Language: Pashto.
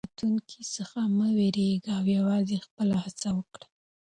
له راتلونکي څخه مه وېرېږئ او یوازې خپله هڅه وکړئ.